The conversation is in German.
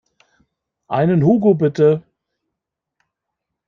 Einen Hugo bitte.